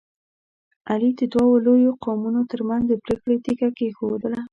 علي د دوو لویو قومونو ترمنځ د پرېکړې تیږه کېښودله.